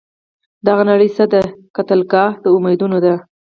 دغه نړۍ څه ده؟ قتلګاه د امیدونو ده